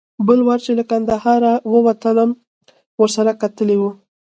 بل وار چې له کندهاره وتلم ورسره کتلي و.